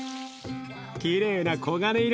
きれいな黄金色。